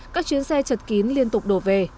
các chuyến xe chật kín liên tục đổ về